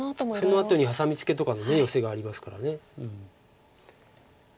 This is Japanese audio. そのあとにハサミツケとかのヨセがありますから。